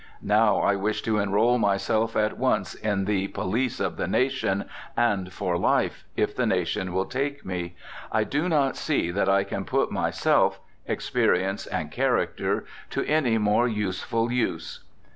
Now I wish to enroll myself at once in the Police of the Nation, and for life, if the nation will take me. I do not see that I can put myself experience and character to any more useful use.....